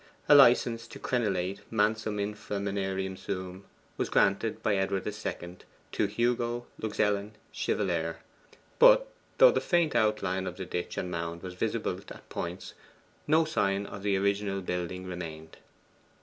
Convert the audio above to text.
A licence to crenellate mansum infra manerium suum was granted by Edward II. to 'Hugo Luxellen chivaler;' but though the faint outline of the ditch and mound was visible at points, no sign of the original building remained.